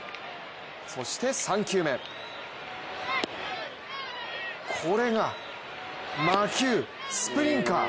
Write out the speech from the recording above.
そして、３球目これが魔球・スプリンカー。